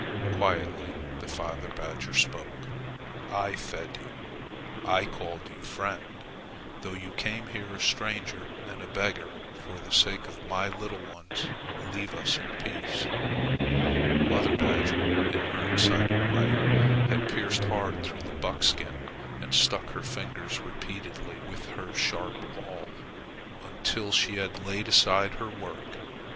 Quietly the father badger spoke: "I fed you. I called you friend, though you came here a stranger and a beggar. For the sake of my little ones leave us in peace." Mother badger, in her excited way, had pierced hard through the buckskin and stuck her fingers repeatedly with her sharp awl until she had laid aside her work.